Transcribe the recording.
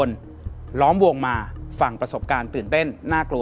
และก็ต้องบอกคุณผู้ชมนั้นจะได้ฟังในการรับชมด้วยนะครับเป็นความเชื่อส่วนบุคคล